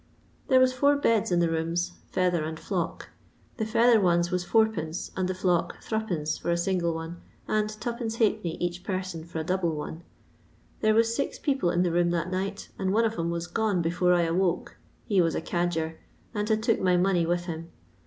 There was four beds in the roons, feather and flock ; the feather ones was id., and the flock Zd. for a single one, and 2^. each person for a double one. There was siz people in the room that night, and one of 'em was gone before I awoke— he was a cadger — and bad took my money with him.